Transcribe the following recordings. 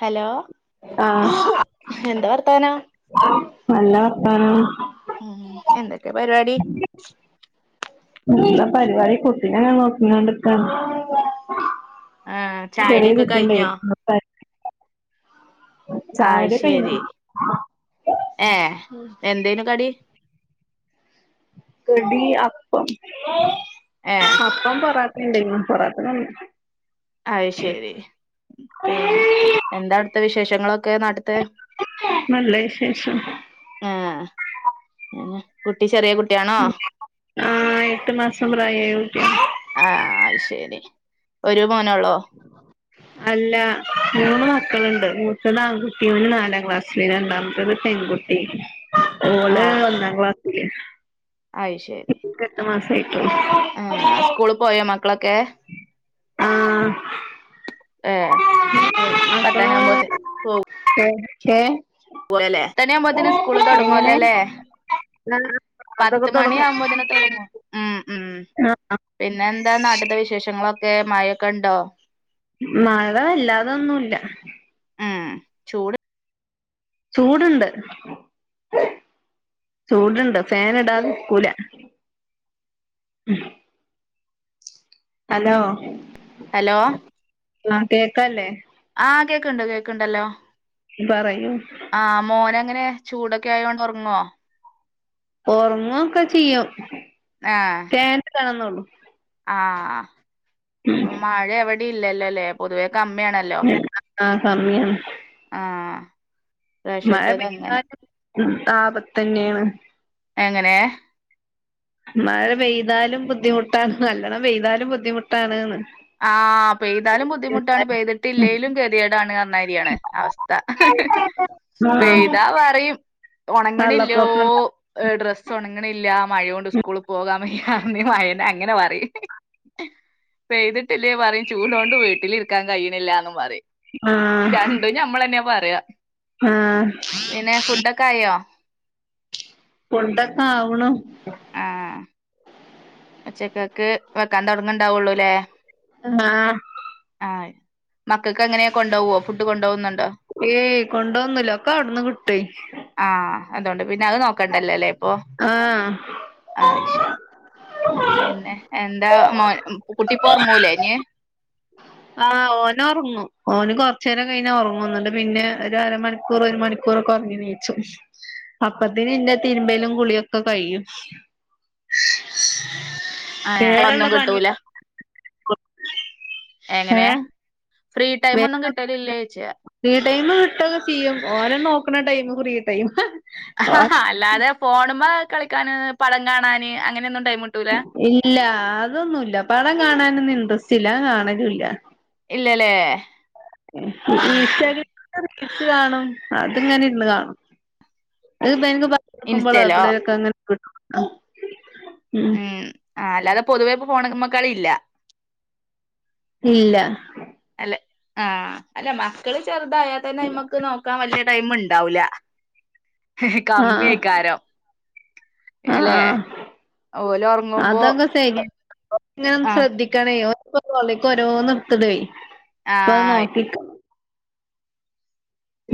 Hello ആഹ് എന്താ വർത്താനം നല്ല വർത്താനം ഉം എന്തൊക്കെ പരിപാടി നല്ല പരിപാടി കുട്ടിനെങ്ങനെ നോക്കി കൊണ്ടിരിക്കാണ് ആഹ് ചെറിയ ചായുടിയൊക്കെ കുട്ടി ഉണ്ടേ കഴിഞ്ഞോ ആ ചായുടി ഒക്കെ കഴിഞ്ഞോ ശരി ഏ എന്തേനു കടി കടി അപ്പം ഏ അപ്പം പൊറാട്ടെ ഉണ്ടേനി പൊറാട്ട ക അയ് ശരി പിന്നെ എന്താ അവിടുത്തെ വിശേഷങ്ങളൊക്കെ നാട്ട്ത്തെ നല്ല വിശേഷം ആ കുട്ടി ചെറിയ കുട്ടിയാണോ ആ എട്ട് മാസം പ്രായമായക്കുട്ടിയാ ആ അയ് ശരി ഒരു മോനള്ളോ അല്ല മൂന്ന് മക്കളുണ്ട് മൂത്തത് ആൺകുട്ടി ഓന് നാലാം ക്ലാസ്സില് രണ്ടാമത്തത് പെൺകുട്ടി ഓള് ആഹ് ഒന്നാം ക്ലാസ്സില് അയ് ശരി ഇൻക്ക് എട്ട് മാസമായിട്ടോള്ളൂ എഹ് സ്കൂൾപോയോ മക്കളൊക്കെ? ആഹ് ഏഹ് അപ്പോ പത്തണി ആവുമ്പോത്തെ [unintelligible] പോയല്ലേ ആകുമ്പോതിന് സ്കൂള് തുടങ്ങുവല്ലേ എങ്ങനെ അല്ലേ അതൊക്കെ പത്ത് മണിയാകുമ്പോത്തിന്. തുടങ്ങും ഉം ഉം അഹ് അഹ് പിന്നെന്താ നാട്ടിത്തെ വിശേഷങ്ങളൊക്കെ മഴൊക്കെ ഉണ്ടോ? മഴ വല്ലാതൊന്നുല്ലാ ഉം ചൂട് ചൂടുണ്ട് ചൂടുണ്ട് ഫാൻ ഇടാതെ നിക്കൂലാ ഹലോ ഹലോ. ആഹ് കേക്കല്ലേ? ആഹ് കേക്കുണ്ട് കേക്കണ്ടല്ലോ പറയൂ ആഹ് മോൻ എങ്ങനെ ചൂടൊക്കെ ആയതോണ്ട് ഉറങ്ങുവോ? ഓർങ്ങോക്കെ ചെയ്യും. ആഹ്. [unintelligible] കാണന്നള്ളൂ. ആഹ്. ഉം മഴ എവിടിം ഇല്ലലോല്ലേ പൊതുവേ കമ്മിയാണല്ലോ ആ കമ്മിയാണ് ആഹ് മ മഴ പെയ്ക്കാനും ആപതന്നെയാണ്. എങ്ങനെ. മഴ പെയ്താലും ബുദ്ധിമുട്ടാണ് നല്ലോണം പേയ്താലും ബുദ്ധിമുട്ടാണ്ന്ന്. ആഹ് പെയ്താലും ബുദ്ധിമുട്ടാണ് പെയ്തിട്ടില്ലേലും കതിയടാണ് നന്നാരിയാണ്. അവസ്ഥ ആ പെയ്താ പറയും ഉണങ്ങണില്ലോ. വെള്ളപ്പൊക്കം ഒ ഡ്രസ്സ് ഉണങ്ങണില്ല മഴയ കൊണ്ട് സ്കൂളിൽ പോകാൻ വയ്യ മഴന അങ്ങനെ പറയും. പേയ്തിട്ടില്ലേ പറയും ചൂടൊണ്ട് വീട്ടിലിരിക്കാൻ കഴിയുന്നില്ലന്ന് പറയും ആ ര ര ഞമ്മളെന്നൊ പറയാ. ആഹ്. പിന്നെ ഫുഡൊക്കെ ആയോ? ഫുടൊക്കെ ആവണു. ആഹ് ഉച്ചക്കക്ക് വെക്കാതുടങ്ങണ്ടാവുള്ളൂല്ലേ. ആഹ്. ആഹ് മക്കൾക്ക് എങ്ങനെയ കൊണ്ട് പോകുവോ ഫുഡ് കൊണ്ട് പോകുന്നുണ്ടോ? ഏയ് കൊണ്ടോകൊനുല്ല ഒക്കെ അവിടന്ന് കിട്ടേ. ആഹ് അതുകൊണ്ട് പിന്നെ അത് നോക്കണ്ടല്ലല്ലേ ഇപ്പൊ ആഹ് ആ ശരി. പിന്നെ എന്താ കുട്ടിപ്പോ ഓർങ്ങൂലേഞ്. ആ ഓൻ ഉറങ്ങും ഓന് കൊറച്ച് നേരം കഴിഞ്ഞ ഉറങ്ങും ന്നണ്ട് പിന്നെ ഒരു അരമണിക്കൂർ ഒരു മണിക്കൂർ. കുറക്ക ഉറങ്ങി നീച്ചു അപ്പത്തിന് എന്റെ തിരുമ്പേലും കുളിയൊക്കെ കഴിയും. ആ വേറെള്ള ഒന്നും കിട്ടൂല. പണികള് എങ്ങനെ ഏഹ് ഫ്രീ ടൈം ഒന്നും വേറെ കിട്ടലില്ലേന്ന് ച്ചോയിച്ച. ഫ്രീ ടൈം കിട്ടുഒക്കെ ചെയ്യും ഓര നോക്കണ ടൈം ഫ്രീ ടൈം. ആ അല്ലാതെ ഫോണുമാ കളിക്കാന് പടം കാണാൻ അങ്ങനെ ഒന്നും ടൈം ക്കി ഇല്ല അതൊന്നുല്ല പടം കാണാനൊന്നും ഇൻട്രസ്റ്റ് ഇല്ല കാണലൂല്ല. ഇല്ലല്ലേ ഈ ശരി [inaudible] കാണും അതിങ്ങനെഇര്ന്ന്കാണും അതിപ്പോ കൊടുക്കുമ്പോളോ ഇൻസ്റ്റയിലോ പിള്ളേരൊക്കെ അങ്ങനെ കിട്ടോ ഉ ഉം ആ അല്ലാതെ പൊതുവെ ഇപ്പൊ ഫോണ മക്കളി ഇല്ല ഇല്ല അല്ലെ. ആഹ അല്ല മക്കള് ചെറുതായാൽന്നെ അയ്മ്മക്ക് നോക്കാൻ വലിയ ടൈം ഉണ്ടാവൂല ആഹ് കമ്മിയക്കാരം അല്ലെ? ഓല് ഒറങ്ങുമ്പോ അതക്കെ [unintelligible] ആഹ് ശ്രദ്ധി ക്കണേ ഒന്പ്പോ തൊള്ളേക്ക് ഓരോന്ന് എടുത്തിടെ അപ്പൊ അത് ആഹ് നോക്കിട്ട്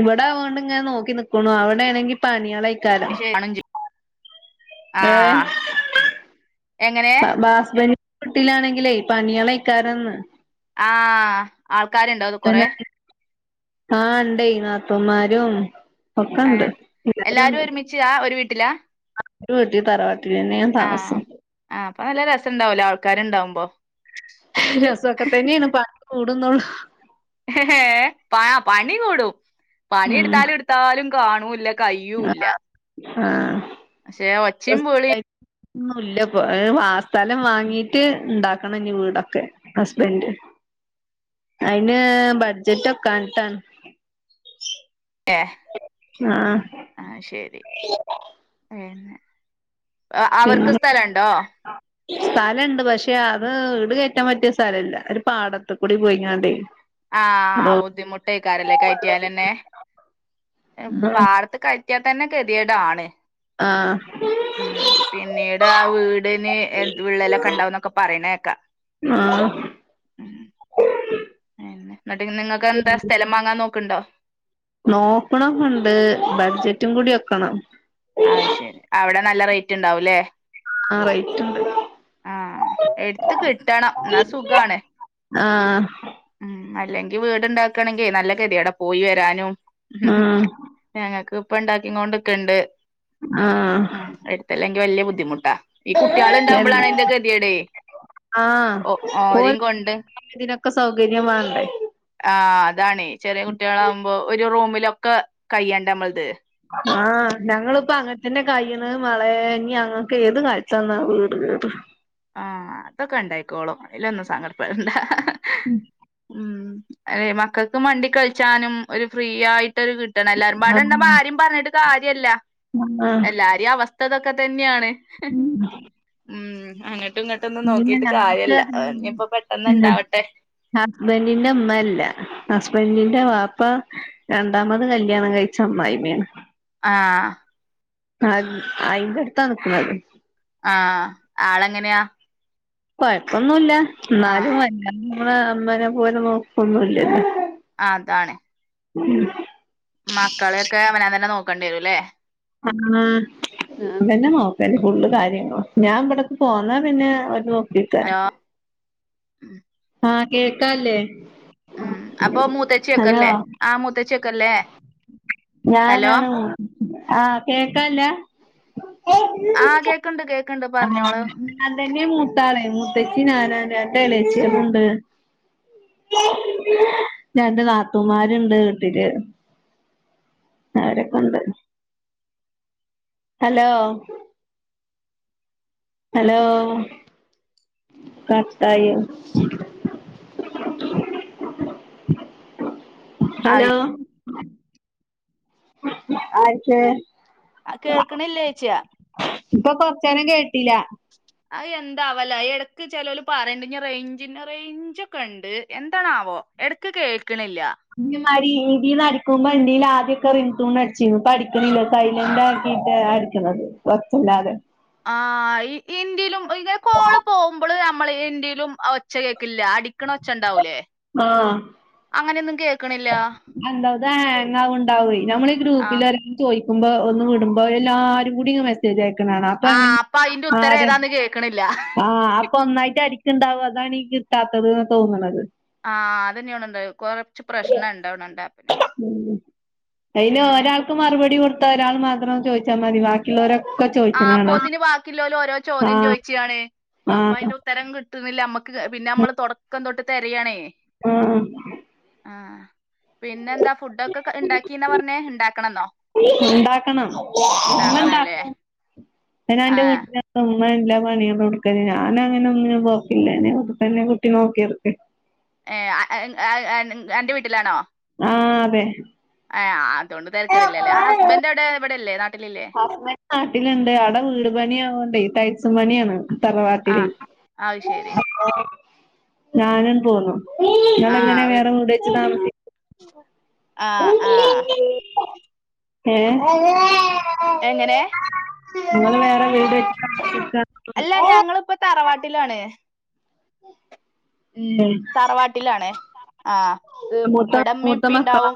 ഇവിടെ ആവോണ്ട് ഇങ്ങെ നോക്കി നിക്കണു അവിടെ ആണെങ്കി പണികളയിക്കാരം. കാണും ചെയ്യും. ഏ ആഹ് എങ്ങനെ ബാസ്ബെ വീട്ടിലാണെങ്കിലേ പണികള ക്കാരന്ന് ആ ആൾക്കാരുണ്ടോ അവടെ കൊറെ ആഹ ഉണ്ട നാത്തൂന്മാരും ഏ ഒക്കെണ്ട് എല്ലാരും ഉണ്ട് ഒരുമിച്ചതാ ഒരു വീട്ടിലാ ഒരു വീട്ടിൽ തറവാട്ടില് പിന്നെയ ആഹ് ആഹ് അപ്പൊ നല്ല രസംണ്ടാവലോ ആൾക്കാണ്ടാവുമ്പോ? രസക്കെ തന്നെയാണ് പണി കൂടുന്നുള്ളു പ പണി കൂടും പണി ഉം ഇടുത്താലും ഇടുത്താലും കാണൂല്ല ആഹ് ആഹ് കയുല്ലപക്ഷെ ഒച്ചപ്പുലിം ഉ ഇല്ലപ്പോ ആ സ്ഥലം വാങ്ങീട്ട് ഇണ്ടാക്കണം ഇനി വീടൊക്കെ ഹസ്ബൻഡ് അയിന് ബഡ്ജറ്റ് ഒക്കാഞ്ഞിട്ടാണ്. അ ആഹ് ആഹ ശരി പിന്നെ അവർക്ക് സ്ഥലംണ്ടോ? സ്ഥലുണ്ട് പക്ഷെ അത് ഇീട് കയറ്റാൻ പറ്റിയ സ്ഥലല്ല ഒരു പാടത്ത കൂടി പോയിങ്ങണ്ടേ ആഹ ബുദ്ധിമുട്ട്ക്കാരല്ലേ കയറ്റിയൽന്നെ പാടത്ത് കയ കയറ്റിയിൽ തന്നെ കെതിയടാണ്. ആഹ ഉം പിന്നീട് ആ വീടിന് വിള്ളലൊക്കെ ഉണ്ടാവന്നൊക്കെ പറയണേക്കാ ആഹ പിന്ന എന്നിട്ട് നിങ്ങൾക്ക് എന്താ സ്ഥലം വാങ്ങാൻ നോക്കണ്ടോ? നോക്കണംക്കെ ണ്ട് ബഡ്ജറ്റും കൂടി ഒക്കണം. അയ്ശരി അവിടെ നല്ല റേറ്റ് ഉണ്ടാവുംല്ലേ? ആ റൈറ്റ് ഉണ്ട്ടാ ആഹ എടുത്ത കിട്ടണം ഇന്നാ സുഖണ് ആഹ് ഉ അല്ലെങ്കി വീടുണ്ടാക്കണമെങ്കേ നല്ല കതി എട പോയി വരാനും ഉം ഉ ഞങ്ങൾക്ക് ഇപ്പ ഇണ്ടാക്കി കൊണ്ടക്കുണ്ട് ആഹ ഉ എടുത്തല്ലെങ്കിൽ വല്യ ബുദ്ധിമുട്ടാ ഈ കുട്ടികൾണ്ടാവുമ്പോളാണ് എ അയിന്റെ കെതീടെ ആഹ് പോലെ ഇതിനൊക്കെ സൗകര്യ വേണ്ടേ ആ അതാണ് ചെറിയ കുട്ടികളാവുമ്പോ ഒരു റൂമിലൊക്കെ കയ്യണ്ട നമ്മളത് ആഹ് ഞങ്ങിപ്പോ അങ്ങനെത്തന്നെ കൈണ് മാളെ ഇഞ്ഞ അങ്ങക്ക ഏത് കാലത്താ വീട് കേറ് ആഹ അതൊക്കെ ഇണ്ടായിക്കോളും അയ്ല്ലൊന്നും സങ്കടപ്പണ്ട ഉം ഉം അതെ മക്കൾക്ക് മണ്ടി കളിച്ചാനും ഒരു ഫ്രീ ആയി് കിട്ടണം എല്ലാരും പാടുണ്ട്പോ ആരും പറഞ്ഞിട്ട് കാര്യല്ല ആഹ് എല്ലാരെ അവസ്ഥ അവസ്ഥ ഇതൊക്കെ തന്നെയാണ് ഉ ആണ് ങ്ങട്ടും ഇങ്ങോട്ട്ന്നും പിന്നെ നോക്കിട്ട് ഞങ്ങക്ക് കാര്യല്ല ഇനിയിപ്പോ പെട്ടെന്ന് ഇണ്ടാവട്ടെ ഹസ്ബൻന്റിന്റെ മ്മ ല്ല ഹസ്ബന്റിന്റെ വാപ്പ രണ്ടാമത് കല്യാണം കഴിച്ച അമ്മായ്മേണ്. ആഹ ആ അയിന്റട്ത്താനിക്കുന്നത് ആ ആളെങ്ങനെയാ കൊഴപ്പൊന്നുല്ല ആഹ് ന്നാലും അല്ലനമ്മെ അമ്മനെ പോലെ നോക്കൊന്നുംല്ലല്ലോ ആ താണ് മക്കള ഒക്കെ അവനൻ തന്നെ നോക്കേണ്ടി വരും ല്ലേ ആ ഞാ തന്നെ നോക്കല് ഫുള്ള് കാര്യങ്ങളും ഞാൻ ഇവിടന്ന് പോന്നാ പിന്നെ അവര് നോക്കികാരം ഹലോ ആ കേൾക്കാ ല്ലേ ആഹ് അപ്പൊ മൂത്തച്ചിഒക്കല്ലേ ആ മൂത്തച്ചിഒക്കെല്ലേ ഞാനാണ് മു ആ കേക്കാ ല്ല ആഹ് കേക്കുണ്ട് കേക്ക് ആ ഞാ തന്നെയാമൂത്താള് മൂത്തച്ചി ഞാനാണ് രണ്ട് എളേച്യേള്ണ്ട് രണ്ട് നാത്തൂമാരുണ്ട് വീട്ടില് അവരൊക്കെ ഉണ്ട് ഹലോ ഹലോ കാട്ടായൊ അയ് ഹലോ ആര്ക്ക് ആ കേൾക്ക്ണില്ലേ ചോയ്ച്ചാ ഇപ്പൊ കുറച്ച്നേരം കേട്ടില അയ് എന്താവോലേ എടക്ക് ചെലോൽ പറയിണ്ട് നിറേഞ്ചിന്റെ റേഞ്ച് ഒക്കെ ഇണ്ട് എടക്ക് കേൾക്ക്ണില്ല ഇതേമാരി ഇൻന്റീന്ന് അടിക്കുബോ ഇൻന്റീല് ആദ്യൊക്കെ റിങ്ടോൺ അടിച്ചീനു ഇപ്പോ അടിക്ണില്ല സൈലന്റ് ആകീട്ട് ക്ക്ണത് ഒച്ചഇല്ലാതെ ആ ഇ ഇന്റീലും ഇതേ കോള് പോ വ്മ്പള് നമ്മള് ഇന്റീലും ഒച്ച കേൾക്കില്ല അടിക്കണ ഒച്ച ഉണ്ടാവൂലേ ആഹ് അങ്ങനൊന്നും കേൾ എന്തത് ഹാങ്ങാവ്ണണ്ടാവൊയ് നമ്മളീ ആ ഗ്രൂപ്പില ചോയ്ക്കുമ്പോ ഒന്ന് വിടുമ്പോ എല്ലാരും കൂടി മെസേ മെസ്സേജ് അയക്ക്ണ് കാണ അപ്പോ ആ ഇങ്ങനെ അപ്പൊ അയിന്റെ ഉത്തരം ആരെ ഏതാന്ന് കേക്കണില്ല ആഹ് ഒന്നായിട്ട് അടിക്കണ്ടാവും അതാണീ കിട്ടാത്തത് ന്ന് തോന്നണത് ആ അതന്നെ തേണോണ്ടയ് ഉം അയിന് പിന്നെ ഒരാൾക്ക് മറുപടി കൊടു ത്ത ഒരാൾ മാത്രോ ചോയ്ച്ചാൽ മതി ബാക്കി ക്കി ള്ളോരൊക്കെ ചോ ആപോത്തിന് ബാക്കിലോലോരോ ചോദ്യം ചോയിച്ചാണ് അപ്പൊ ആഹ് അതിന്റെ ഉ ത്തരം കിട്ടുന്നില്ല നമ്മുക്ക് പിന്നെ നമ്മള് തുടക്കം തൊട്ട് തെരയാണേയ് ആഹ് ആഹ് പിന്നെ എന്താ ഫുഡ ഒക്കെ ഉണ്ടാക്കിന്നാ പറഞ്ഞെ ഉണ്ടാക്കണെന്നോ ഉണ്ടാ ക്കണം ഇമ്മ ഇണ്ടാക്കും ഇപ്പെ ഞാൻ ഇന്റെ ആഹ് വീട്ടിലാണ് ഉമ്മ എല്ലാ പണികളും എടുകല് ഞാനങ്ങനെ ഒന്നിനും പോക്കില്ലനെ ലെനെ കുട്ടി നോക്കിയർക്ക് എഹ് അയ് അയ് അയ് അന്റെ വീട്ടിലാണോ ആഹ് അതെ ഏഹ് അതോണ്ട് തെരക്കെടില്ലലേ ആ ഹസ്ബൻറ് എവിടെ ഇവിടെല്ലേ നാട്ടിലില്ലേ ഹസ്ബൻഡ് നാട്ടിലുണ്ട് അവിടെ വീട് പണിയാവോണ്ട് ടൈൽസും പണിയാണ് തറവാട്ടില് ആഹ് അത് ശെരി അപ്പോ ഞാന് പോന്നു നിളങ്ങളെ എങ്ങനെ ആഹ് വീ വേറെ വീട് വച്ചു താമസി ആഹ് ആഹ് [inaudible] ഏഹ് അങ്ങ എങ്ങനെ ഇങ്ങൾ വേറെ വീട് [inaudible] അല്ല ഞങ്ങളിപ്പോ തറവാട്ടിലാണ് ഉം തറവാട്ടിലാണ് ആ മൂത്ത ഇവിട ഇമ്മീം മൂത്ത ഇപ്പിം മക്കളാ ഇണ്ടാവും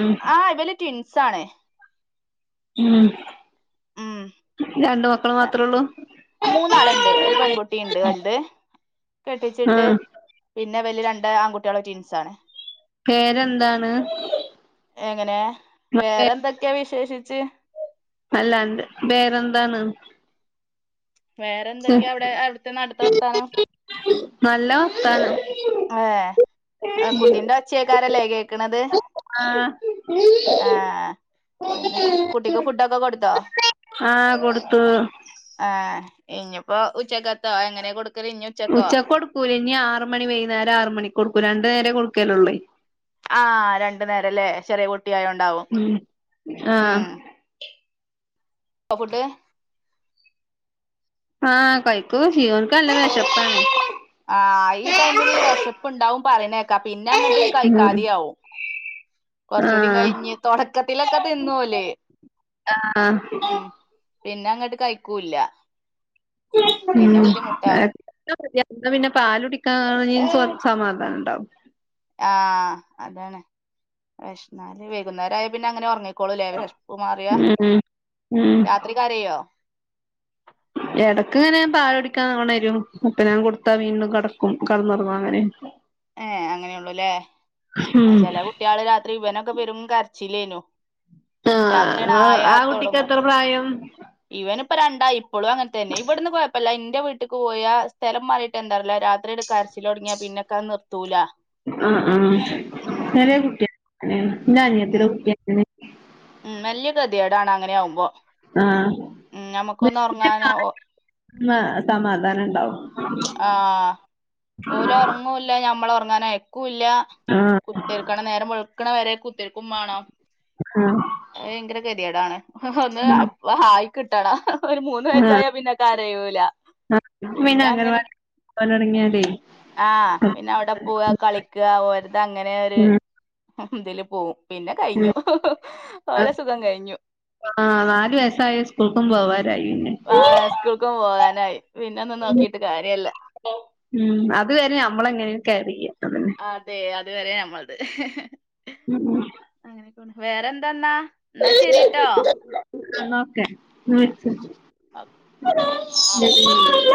ഉം ആ ഇവല് ട്ടിൻസാണ് ഉം രണ്ട് മ ല മൂന്നാള് ഇണ്ട് ഒരു പെൺകുട്ടീ ഇണ്ട് വല്ത് കെട്ടിച്ചിട്ട് ആഹ് പിന്ന ഇവല് രണ്ട് ആൺകുട്ട്വാളും ടീൻസാണ് പേരെന്താണ് എങ്ങനെ വേറെന്തൊക്കെയ വിശേഷിച്ച് അല്ല അന്റെ പേരെന്താണ് വേറെന്തൊക്കെയാ അവിടെ അവിടുത്തെ നാട്ട്ത്തെ വർത്താനം നല്ല വർത്താനം അതെ ആഹ് കുട്ടിന്റെ ഒച്ചേക്കാനല്ലേ കേക്ക്ക്ണത് ആഹ് ആഹ് പിന്നെ കുട്ടിക്ക് ഫുഡൊക്കെ കൊട്ത്താേ ആഹ് കൊടുത്തു ആഹ് ഇഞ്ഞ്പ്പോ ഉച്ചക്കെത്തോ എങ്ങെനേ കൊട്ക്കെല് ഞ്ഞ് ഉച്ചക്കാെട്ക്കൂല ഇനി ആറ് മണി വൈന്നേരം ആറ് മണിക്കൊട്ക്കും രണ്ട് നേരെ കൊട്ക്കലൊള്ളേ കൊടുക്കല്ലള്ളേ ആഹ് രണ്ട് നേരല്ലേ ചെറിയ കുട്ട്യായോണ്ടാവും ഉം ആഹ് ഉം ക്കോ ഫുഡ്ഡ് ആഹ് കൈകൊക്കെ ചെയ്യും ഓൻക് നല്ല വെശെപ്പാണ് ആഹ് ഈ ടൈമില് വെശെപ്പ്ണ്ടാവും പറീണേക്കാ പിന്നെ അങ്ങട്ട് ഉം കഴിക്കാതിം ആവും കാെർച്ചൂടിം ആഹ് കഴിഞ്ഞ് താെടക്കത്തിലൊക്കെ തിന്നു ഓല് അഹ് ആഹ് പിന്നങ്ങട്ട് കയ്ക്കൂല്ലാ ഉം [unintelligible] [unintelligible] പിന്നെ പാല് കുടിക്കാന് കെർച്ച് സമാധാനണ്ടാവും ആഹ് അതാണ് വെഷ്മ അല്ലേ വൈകുന്നേരായ പിന്നെ അങ്ങെനെ ഒർങ്ങി ക്കോളുംലേ വെഷ്പ്പ് മാറ്യാ ഉം ഉം രാത്രി കരയോ എടെക്ക്ങ്ങെനെ പാലുടിക്കാൻ ഒണെരും അപ്പ ഞാ കൊട്ത്താ വീണ്ടും കട്ക്കും കടന്നാെർങ്ങും അങ്ങെനെ ഏഹ് അങ്ങെനെയൊള്ളുലേ അ ഉം ചെലെ കു ട്ട്യാള് രാത്രി ഇവനൊക്കെ പെരും കര്ച്ചിലേനു ആഹ് രാത്ര്യാണ്ടായാ ആ കുട്ടിക്ക് താെട്ങ്ങും എത്ര പ്രായം ഇവന്പ്പ രണ്ടായി ഇപ്പളും അങ്ങൻതന്നെ ഇവട്ന്ന് കൊഴപ്പല്ല ഇന്റെ വീട്ട്ക്ക് പോയ സ്ഥലം മാറീട്ടാെ എന്താന്നറീല്ല രാത്രി കര്ച്ചിലാെട്ങ്ങ്യാ പിന്നെക്കത് നിർത്തൂല ആഹ് ആഹ് ഉം ചെലേ കുട്ട്യള് നേണ് ന്റെ അനിയത്തിടെ ഉം കുട്ടി അങ്ങെനെ ഉം വല്യ കെത്യേടാണ് അങ്ങെനെ അവുമ്പോ ആഹ് ഉം ഞമക്കൊന്ന് ഒർങ്ങാനോ ഒ ന്ന് സമാധാനണ്ടാവും ആഹ് ഓലാെർങ്ങൂല്ല ഞമ്മളെ ഒർങ്ങാനയ്ക്കൂല്ലാ ആഹ് കേൾക്കണം നേരം വെൾക്ക്ണെ വെരെ കുത്തിര്ക്കും മാണം ആഹ് അത് ഭയെങ്കെരെ കെത്യേടാണ് ഒന്ന് ആയി കിട്ടണം ഒര് മൂന്ന് ആഹ് വയസ്സായ പിന്നെ കരയൂല പിന്നെ അങ്ങനെ പോലൊട്ങ്ങ്യാലേ ആഹ് പിന്നെ അവിടെ പോവാ കളിക്കാ ഓര്തങ്ങെനെ ഒര് ഉം തില് പോവും പിന്നെ ഉം കയ്ഞ്ഞു ഓലെ സുഖം കയ്ഞ്ഞു ആഹ് നാല് വയസ്സായ സ്കൂക്കും പോവാരായിന്നെ വാ സ്കൂക്കും പോവാനായി പിന്നെ ഒന്നും നോക്കീട്ട് കാര്യല്ല ഉം അത്‌വെരെ നമ്മളെങ്ങനേലും കേറെയ്യാ അതെ അത്‌വെരെ ഞമ്മൾത് ഉം ഉം അങ്ങനെക്കോണ് വേറെന്തെന്നാ ന്നാ ഓക്കെ ആ [unintelligible] ഓക്കെ ഉം ഉ